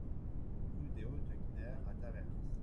Rue des Hautes Guignères à Tavers